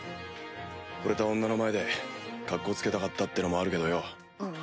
惚れた女の前でカッコつけたかったってのもあるけどよ。